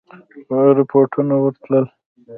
رپوټونه ورتلل.